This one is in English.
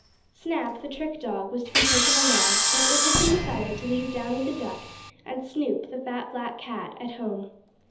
Snap, the trick dog, was to be taken along, but it had been decided to leave Downy the duck, and Snoop, the fat, black cat at home.